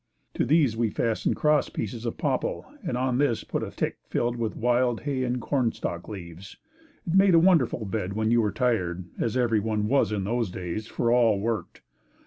To these we fastened cross pieces of "popple" and on this put a tick filled with wild hay and corn stalk leaves. It made a wonderful bed when you were tired as everyone was in those days, for all worked.